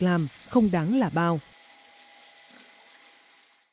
lợi thế không đáng là bao á